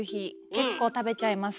結構食べちゃいます。